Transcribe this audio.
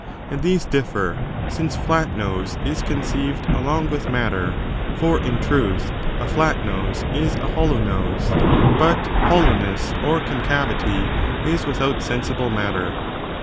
And these difier, since fiat nose is conceived along with matter, for, in truth, a flat nose is a hollow nose; but hol lowness or concavity is without sensible matter.